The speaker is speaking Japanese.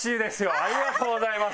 ありがとうございます。